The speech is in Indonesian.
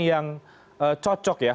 yang cocok ya